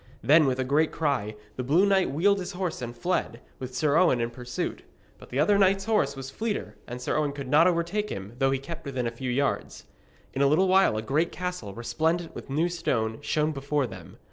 Then, with a great cry, the blue knight wheeled his horse and fled, with Sir Owen in pursuit. But the other knight's horse was fleeter, and Sir Owen could not overtake him, though he kept within a few yards. In a little while a great castle, resplendent with new stone, shone before them.